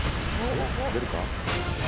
出るか？